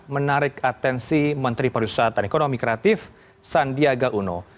menarik atensi menteri perusahaan dan ekonomi kreatif sandiaga uno